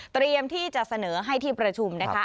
เตรียมที่จะเสนอให้ที่ประชุมนะคะ